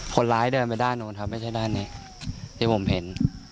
คนร้ายเดินไปด้านนู้นครับไม่ใช่ด้านนี้ที่ผมเห็น